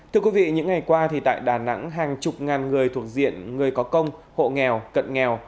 thưa quý vị những ngày qua tại đà nẵng hàng chục ngàn người thuộc diện người có công hộ nghèo cận nghèo